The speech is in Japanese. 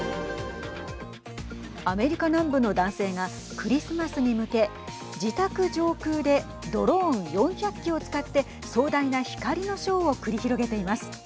アメリカ南部の男性がクリスマスに向け自宅上空でドローン４００機を使って壮大な光のショーを繰り広げています。